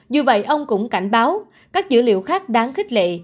dù vậy ông cũng cảnh báo các dữ liệu khác đáng khích lệ